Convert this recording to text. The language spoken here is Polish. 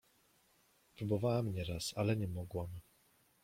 — Próbowałam nieraz, ale nie mogłam.